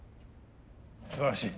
すばらしい。